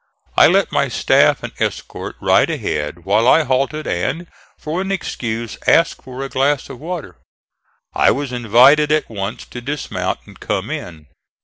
I let my staff and escort ride ahead while I halted and, for an excuse, asked for a glass of water. I was invited at once to dismount and come in.